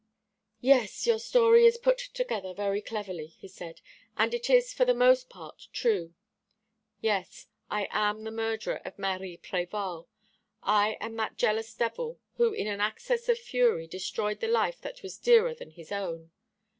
"Yes, your story is put together very cleverly," he said, "and it is for the most part true. Yes, I am the murderer of Marie Prévol. I am that jealous devil, who in an access of fury destroyed the life that was dearer than his own.